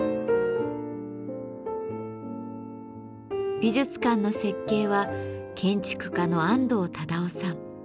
美術館の設計は建築家の安藤忠雄さん。